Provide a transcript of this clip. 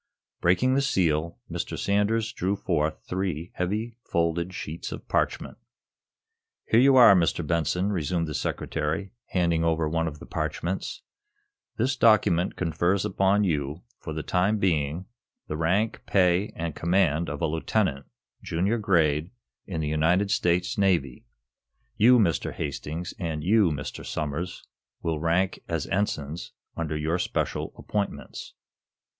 Breaking the seal, Mr. Sanders drew forth three heavy, folded sheets of parchment. "Here you are, Mr. Benson," resumed the Secretary, handing over one of the parchments. "This document confers upon you, for the time being, the rank, pay and command of a lieutenant, junior grade, in the United States Navy. You, Mr. Hastings, and you, Mr. Somers, will rank as ensigns under your special appointments."